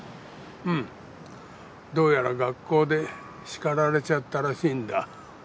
うんどうやら学校で叱られちゃったらしいんだ。